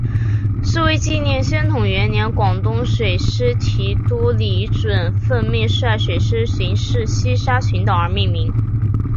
是为纪念宣统元年广东水师提督李准奉命率水师巡视西沙群岛而命名。